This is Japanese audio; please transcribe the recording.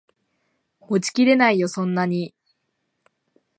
持ちきれないよそんなに